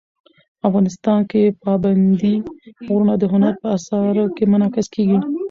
افغانستان کې پابندی غرونه د هنر په اثار کې منعکس کېږي.